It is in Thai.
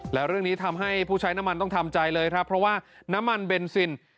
แล้วเรื่องนี้ทำให้ผู้ใช้น้ำมันต้องทำใจเลยครับเพราะว่าน้ำมันเบนซิน